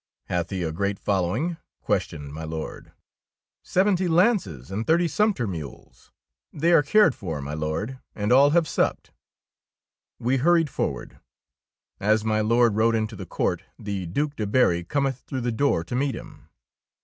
'' Hath he a great following ?" ques tioned my Lord. " Seventy lances and thirty sumpter mules. They are cared for, my Lord, and all have supped." We hurried forward. As my Lord rode into the court, the Due de Berry cometh through the door to meet him.